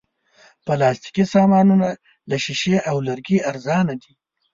پلاستيکي سامانونه له شیشې او لرګي ارزانه دي.